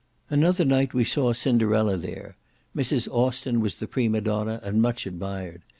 Another night we saw Cinderella there; Mrs. Austin was the prima donna, and much admired.